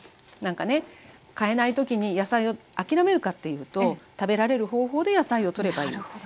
なんかね買えない時に野菜を諦めるかっていうと食べられる方法で野菜をとればいい。